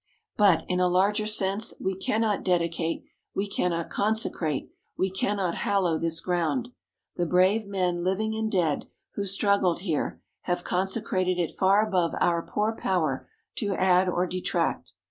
But, in a larger sense, we cannot dedicate we cannot consecrate we cannot hallow this ground. The brave men, living and dead, who struggled here, have consecrated it far above our poor power to add or detract.